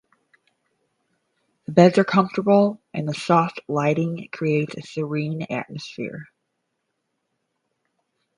The beds are comfortable, and the soft lighting creates a serene atmosphere.